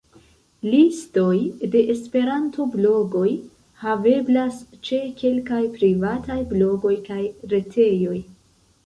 Listoj de esperanto-blogoj haveblas ĉe kelkaj privataj blogoj kaj retejoj.